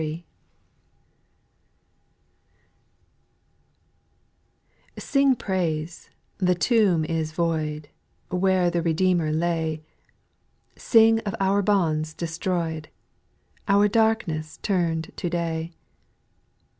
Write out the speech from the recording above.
QING praise, the tomb is void, O Where the Redeemer lay ; Sing of our bonds destroyed, Our darkness turned to day.